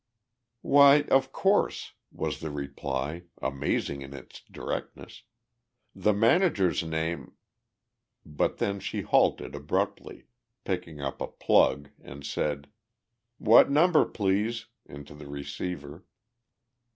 "Why, of course," was the reply, amazing in its directness. "The manager's name " But then she halted abruptly, picked up a plug, and said, "What number, please?" into the receiver.